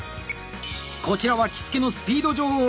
こちらは「着付のスピード女王」